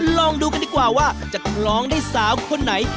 ลองดูกันดีกว่าว่าจะคล้องได้สาวคนไหน